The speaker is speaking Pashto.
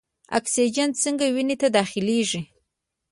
اکسیجن څنګه وینې ته داخلیږي؟